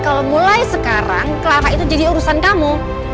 kalau mulai sekarang kelapa itu jadi urusan kamu